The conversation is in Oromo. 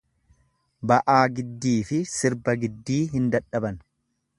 Ba'aa giddiifi sirba giddii hin dadhaban.